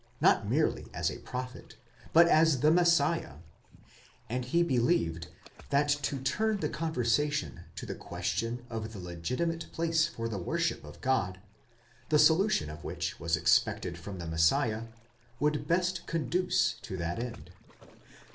not merely as a prophet, but as the Messiah, and he believed that to turn the conversation to the question of the legitimate place for the worship of God, the solution of which was expected from the Messiah,? would best ᾿ς conduce to that end.